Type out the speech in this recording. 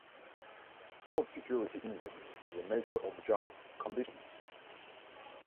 Job security index is a measure of job conditions.